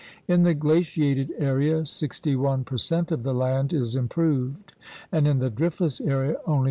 In the gla ciated area 61 per cent of the land is improved and in the driftless area only 43.